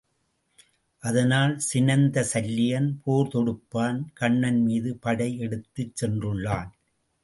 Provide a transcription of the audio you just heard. அதனால் சினந்த சல்லியன் போர் தொடுப்பான், கண்ணன் மீது படை எடுத்துச் சென்றுள்ளான்.